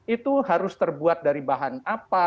itu harus terbuat dari bahan apa